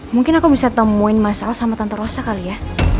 mungkin aku bisa temuin masalah sama tante rosa kali ya